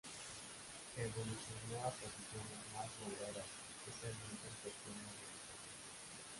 Evolucionó a posiciones más moderadas, especialmente en cuestiones religiosas.